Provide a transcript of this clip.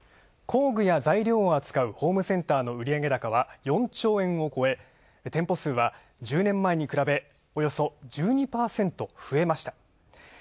工具や材料を扱うホームセンターの売上高は４兆円を超え、１０年前に比べ、およそ１２％増えました。